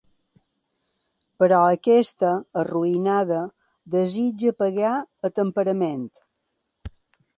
Però aquesta, arruïnada, desitja pagar a temperament.